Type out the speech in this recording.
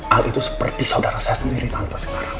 al itu seperti saudara saya sendiri tante sekarang